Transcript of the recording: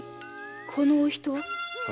このお人は？